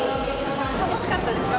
楽しかったですか？